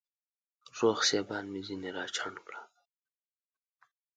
روغ سېبان مې ځيني راچڼ کړه